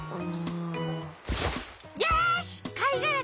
よしかいがら